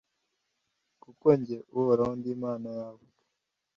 kuko jye, Uhoraho, ndi Imana yawe,